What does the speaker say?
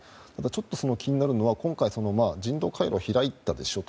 ちょっと気になるのは今回、人道回廊を開いたでしょ。